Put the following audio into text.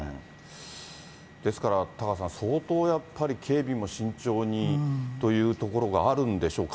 ですからタカさん、相当やっぱり警備も慎重にというところがあるんでしょう。